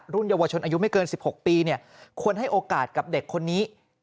เยาวชนอายุไม่เกิน๑๖ปีควรให้โอกาสกับเด็กคนนี้